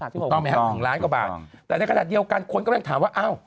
ถูกต้องไหมครับ๑ล้านกว่าบาทแต่ในขณะเดียวกันคนกำลังถามว่าอ้าว